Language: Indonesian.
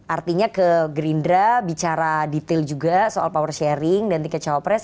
artinya ke gerindra bicara detail juga soal power sharing dan tiket cawapres